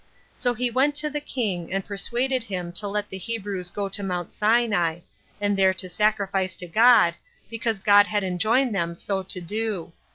So he went to the king, and persuaded him to let the Hebrews go to Mount Sinai, and there to sacrifice to God, because God had enjoined them so to do.